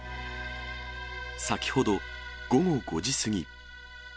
先ほど午後５時過ぎ。